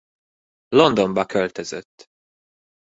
Londonba költözött.